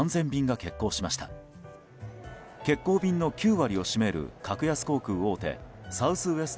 欠航便の９割を占める格安航空大手サウスウェスト